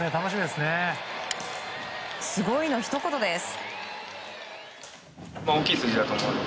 すごいの一言です。